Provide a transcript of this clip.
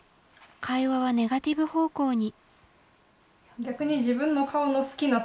会話はネガティブ方向に。